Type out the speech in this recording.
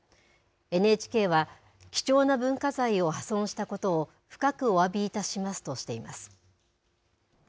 ＮＨＫは、貴重な文化財を破損したことを深くおわびいたしますとしています。